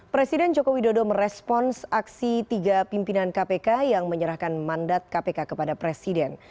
presiden joko widodo merespons aksi tiga pimpinan kpk yang menyerahkan mandat kpk kepada presiden